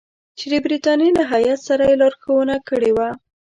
چې د برټانیې له هیات سره یې لارښوونه کړې وه.